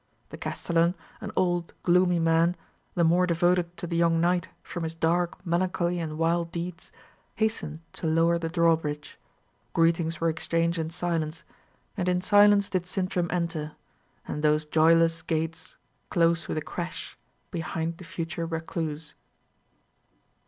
The castellan, an old, gloomy man, the more devoted to the young knight from his dark melancholy and wild deeds, hastened to lower the drawbridge. Greetings were exchanged in silence, and in silence did Sintram enter, and those joyless gates closed with a crash behind the future recluse.